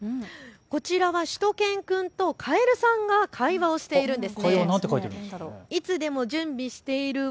こちらはしゅと犬くんとカエルさんが会話しているんです。